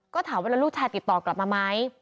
ก็ถามว่าแล้วลูกชายติดต่อกลับมาไหม